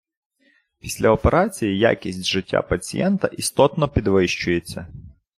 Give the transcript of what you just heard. Після операції якість життя пацієнта істотно підвищується.